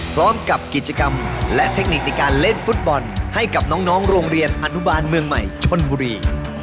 พร้อมกับกิจกรรมและเทคนิคในการเล่นฟุตบอลให้กับน้องโรงเรียนอนุบาลเมืองใหม่ชนบุรี